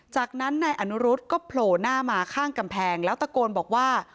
จากนั้นนายอนุรุษก็โผล่หน้ามาข้างกำแพงแล้วตะโกนบอกว่า